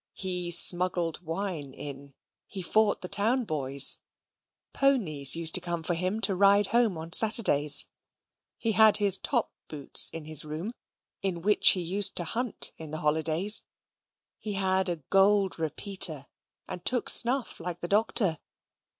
He smuggled wine in. He fought the town boys. Ponies used to come for him to ride home on Saturdays. He had his top boots in his room, in which he used to hunt in the holidays. He had a gold repeater: and took snuff like the Doctor.